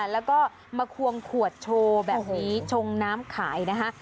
แล้วก็มาควงขวดโชว์แบบนี้ชงน้ำขายนะคะ